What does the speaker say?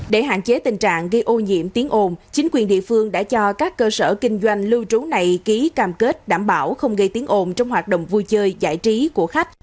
để hạn chế tình trạng gây ô nhiễm tiếng ồn chính quyền địa phương đã cho các cơ sở kinh doanh lưu trú này ký cam kết đảm bảo không gây tiếng ồn trong hoạt động vui chơi giải trí của khách